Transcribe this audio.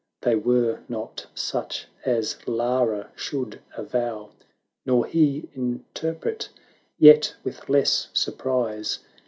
They were not such as Lara should avow. Nor he interpret, — yet with less sur prise.